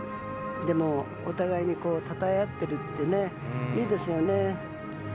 でも、お互いにたたえ合ってるっていいですよね。